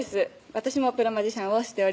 私もプロマジシャンをしております